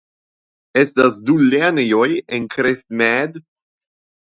Estas du lernejoj en Crestmead.